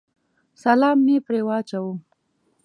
سلام مې پرې واچاوه.